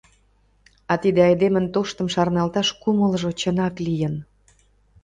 А тиде айдемын тоштым шарналташ кумылжо чынак лийын.